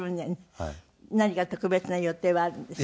何か特別な予定はあるんですか？